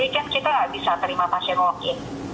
di igd kan kita nggak bisa terima pasien covid sembilan belas